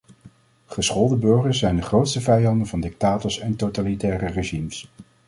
Geschoolde burgers zijn de grootste vijanden van dictators en totalitaire regimes.